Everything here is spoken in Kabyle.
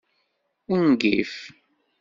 Ungif!